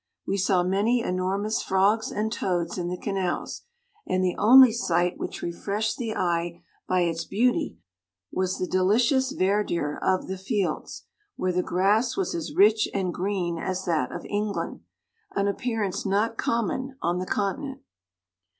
We saw many enormous frogs and toads in the canals; and the only sight which refreshed the eye by its beauty was the delicious verdure of the fields, where the grass was as rich and green as that of England, an appear ance not common on the continent.